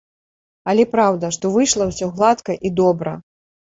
Але праўда, што выйшла ўсё гладка і добра.